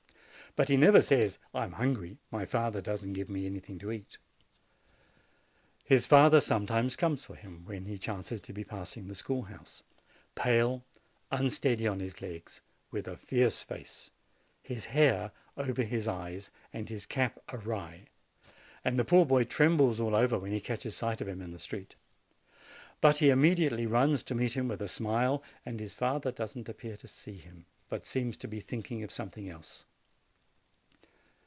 But he never say, "I am hungry; my father does not give me any thing to eat." His father sometimes comes for him, when he chances to be passing the schoolhouse, pale, unsteady on his legs, with a fierce face, his hair over his eyes, and his cap awry; and the poor boy trembles all over when he catches sight of him in the street. But he immediately runs to meet him, with a smile; and his father does not appear to see him, but seems to be thinking of something else.